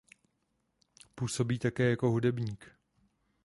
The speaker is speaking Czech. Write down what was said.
Působí také jako hudebník.